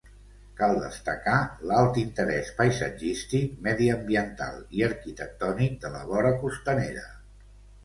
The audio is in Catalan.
Cal destacar l'alt interès paisatgístic, mediambiental i arquitectònic de la vora costanera.